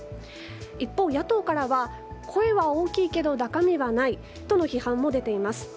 一方、野党からは声は大きいけど中身はない、との批判も出ています。